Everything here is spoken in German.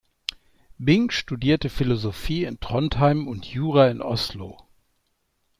Bing studierte Philosophie in Trondheim und Jura in Oslo.